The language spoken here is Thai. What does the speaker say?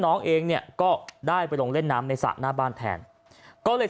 น้องเองเนี่ยก็ได้ไปลงเล่นน้ำในสระหน้าบ้านแทนก็เลย